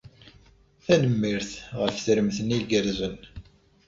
Tanemmirt ɣef tremt-nni igerrzen.